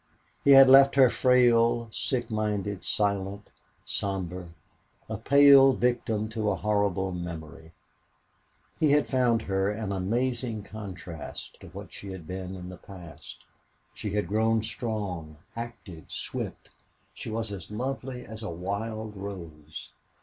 He had left her frail, sick minded, silent, somber, a pale victim to a horrible memory. He had found her an amazing contrast to what she had been in the past. She had grown strong, active, swift. She was as lovely as a wild rose.